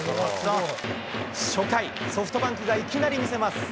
初回、ソフトバンクがいきなり見せます。